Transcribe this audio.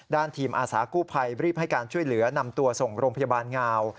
ทีมอาสากู้ภัยรีบให้การช่วยเหลือนำตัวส่งโรงพยาบาลงาว